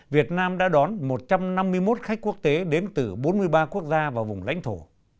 việt nam đã đón một trăm năm mươi một khách quốc tế đến từ bốn mươi ba quốc gia và vùng lãnh thổ